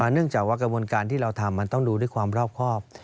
เนื่องจากว่ากระบวนการที่เราทำมันต้องดูด้วยความรอบครอบ